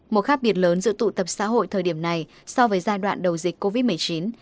một khác biệt lớn giữa tụ tập xã hội thời điểm này so với giai đoạn đầu dịch covid một mươi chín